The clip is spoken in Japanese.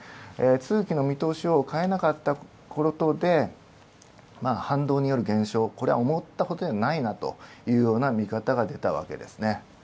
通期の見通しを変えなかったことで、反動による減少、これは思ったほどではないなというような見方が出たわけですね。